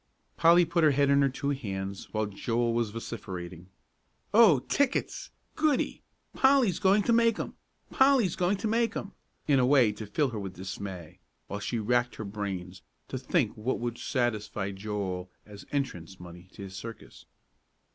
Polly put her head into her two hands, while Joel was vociferating, "Oh, tickets! Goody! Polly's going to make 'em! Polly's going to make 'em!" in a way to fill her with dismay, while she racked her brains to think what would satisfy Joel as entrance money to his circus.